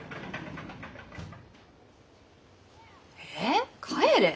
えっ帰れ？